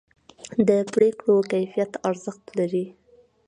د پرېکړو کیفیت ارزښت لري